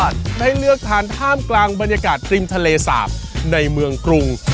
ได้เลือกทานท่ามกลางบรรยากาศริมทะเลสาบในเมืองกรุง